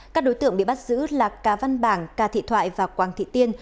các đối tượng bị bắt giữ là ca văn bảng ca thị thoại và quang thị tiên